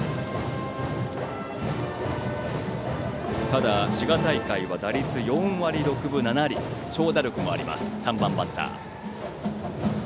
ただ、滋賀大会は打率４割６分７厘長打力もあります、３番バッター。